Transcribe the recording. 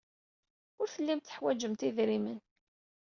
Ur tellimt teḥwajemt idrimen.